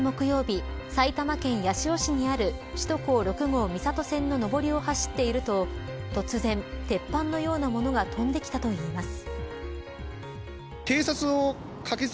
先週木曜日、埼玉県八潮市にある首都高６号三郷線の上りを走っていると突然、鉄板のようなものが飛んできたといいます。